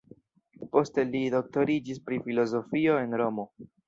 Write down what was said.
Poste li li doktoriĝis pri filozofio en Romo.